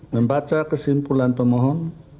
membaca kesimpulan pemohon